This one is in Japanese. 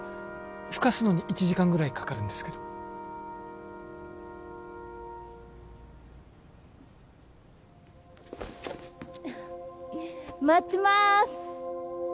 ふかすのに１時間ぐらいかかるんですけど待ちまーす！